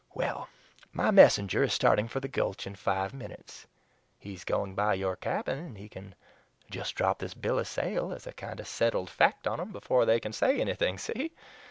"Well, my messenger is starting for the Gulch in five minutes; he's going by your cabin, and he can just drop this bill o' sale, as a kind o' settled fact, on 'em afore they can say anything, see!